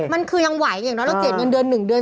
มันคือยังไหวอย่างน้อยเราเจียดเงินเดือน๑เดือน